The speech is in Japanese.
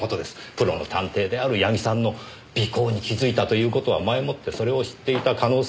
プロの探偵である矢木さんの尾行に気づいたという事は前もってそれを知っていた可能性が高い。